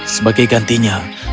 sebagai gantinya aku harus